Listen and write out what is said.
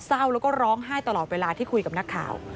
เศร้าแล้วก็ร้องไห้ตลอดเวลาที่คุยกับนักข่าว